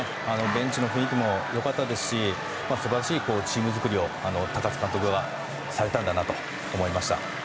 ベンチの雰囲気も良かったですし素晴らしいチーム作りを高津監督はされたんだなと思いました。